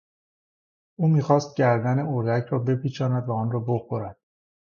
او میخواست گردن اردک را بپیچاند و آن را بخورد.